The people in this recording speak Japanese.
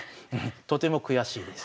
とても悔しいです。